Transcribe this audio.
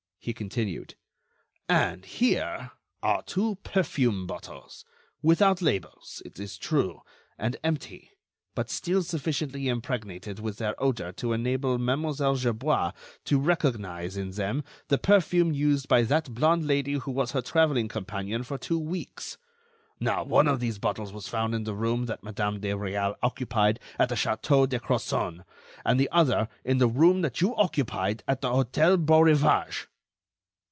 He continued: "And here are two perfume bottles, without labels, it is true, and empty, but still sufficiently impregnated with their odor to enable Mlle. Gerbois to recognize in them the perfume used by that blonde Lady who was her traveling companion for two weeks. Now, one of these bottles was found in the room that Madame de Réal occupied at the Château de Crozon, and the other in the room that you occupied at the Hôtel Beaurivage."